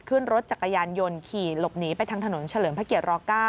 ขึ้นรถจักรยานยนต์ขี่หลบหนีไปทางถนนเฉลิมพระเกียร๙